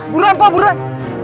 buruan pak buruan